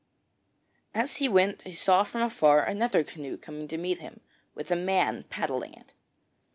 As he went he saw from afar another canoe coming to meet him, with a man paddling it.